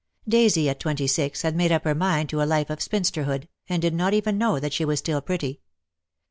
Daisy at twenty six had made up her mind to a life of spinsterhood, and did not even know that she was still pretty.